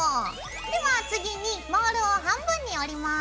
では次にモールを半分に折ります。